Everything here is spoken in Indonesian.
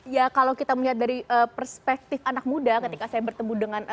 ya kalau kita melihat dari perspektif anak muda ketika saya bertemu dengan